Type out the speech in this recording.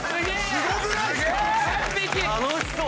すごくないっすか⁉楽しそう！